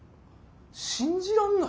信じられない。